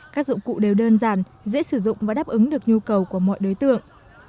các dụng cụ đều đơn giản dễ sử dụng và đáp ứng được nhu cầu của mọi đối tượng